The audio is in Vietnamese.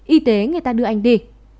y tế người ta đưa anh đi